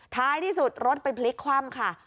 ท้ายที่สุดรถไปพลิกคว่ำค่ะ